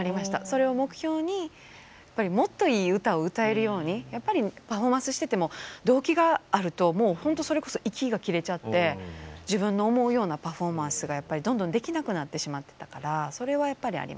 それを目標にやっぱりもっといい歌を歌えるようにやっぱりパフォーマンスしてても動悸があるともう本当それこそ息が切れちゃって自分の思うようなパフォーマンスがどんどんできなくなってしまってたからそれはやっぱりありましたね。